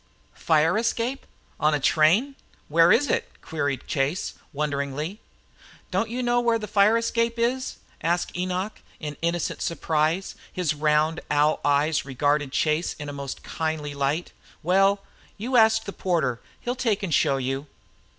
"Fire escape? On a train? Where is it?" queried Chase, wonderingly. "Don't you know where the fire escape is?" asked Enoch, in innocent surprise. His round owl eyes regarded Chase in a most kindly light. "Well, you ask the porter. He'll take an' show you."